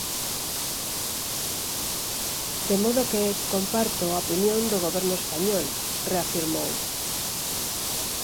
De modo que comparto a opinión do Goberno español, reafirmou.